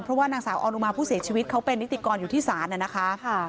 เพราะว่านางสาวออนุมาผู้เสียชีวิตเขาเป็นนิติกรอยู่ที่ศาลน่ะนะคะ